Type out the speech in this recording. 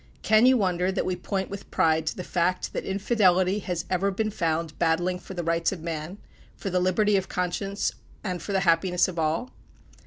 Can you wonder that we point with pride to the fact, that Infidelity has ever been found battling for the rights of man, for the liberty of conscience, and for the happiness of all?